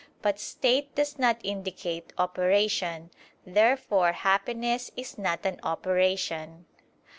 But state does not indicate operation. Therefore happiness is not an operation.